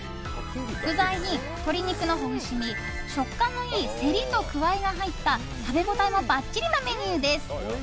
具材に鶏肉のほぐし身食感のいいセリとクワイが入った食べ応えもばっちりなメニューです。